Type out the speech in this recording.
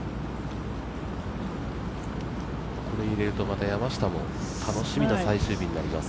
ここで入れると山下も楽しみな最終日になります。